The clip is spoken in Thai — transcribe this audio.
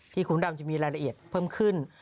ขุนดำจะมีรายละเอียดเพิ่มขึ้น